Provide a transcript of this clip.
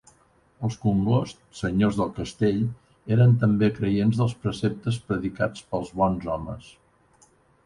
Els Congost, senyors del castell, eren també creients dels preceptes predicats pels Bons Homes.